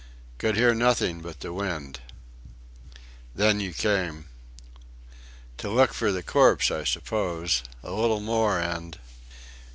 Could hear nothing but the wind.... Then you came... to look for the corpse, I suppose. A little more and..."